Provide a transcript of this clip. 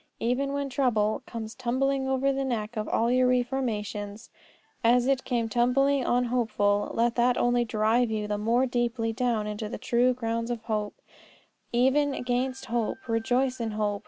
Even when trouble "comes tumbling over the neck of all your reformations" as it came tumbling on Hopeful, let that only drive you the more deeply down into the true grounds of hope; even against hope rejoice in hope.